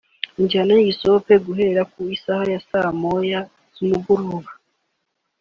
injyana y’igisope guhera ku isaha ya saa moya z’umugoroba